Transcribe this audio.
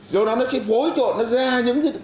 do đó nó sẽ phối trộn ra những kiểu khúc sạ